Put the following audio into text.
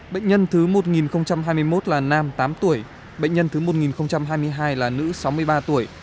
bệnh nhân thứ một nghìn hai mươi một là nam tám tuổi bệnh nhân thứ một nghìn hai mươi hai là nữ sáu mươi ba tuổi